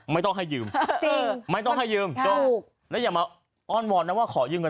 ไม่ต้องให้ยืมไม่ต้องให้ยืมและอย่ามาอ้อนวอนนะว่าขอยืมเงิน